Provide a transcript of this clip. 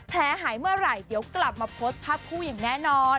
หายเมื่อไหร่เดี๋ยวกลับมาโพสต์ภาพคู่อย่างแน่นอน